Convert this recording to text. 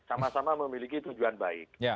sama sama memiliki tujuan baik